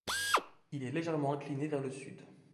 Il est légèrement incliné vers le sud.